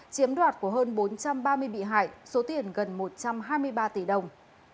chiếm đoạt của hơn bốn trăm ba mươi bị hại số tiền gần một trăm hai mươi ba tỷ đồng